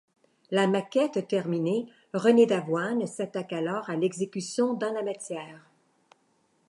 La maquette terminée, René Davoine s'attaque alors à l'exécution dans la matière.